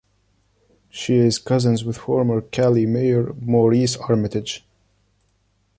She is cousins with former Cali Mayor Maurice Armitage.